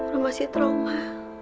rok masih trauma